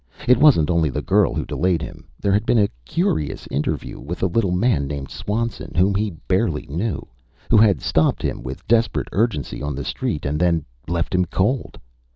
It wasn't only the girl who delayed him. There had been a curious interview with a little man named Swanson, whom he barely knew, who had stopped him with desperate urgency on the street and then left him cold.